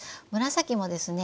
紫もですね